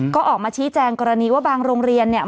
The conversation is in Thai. ก็ออกมาชี้แจงกรณีว่าบางโรงเรียนเนี่ย